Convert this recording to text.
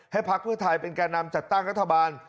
ให้พพฤทัยเป็นแก่นำจัดตั้งรัฐบาล